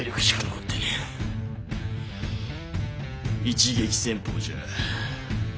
一撃戦法じゃ。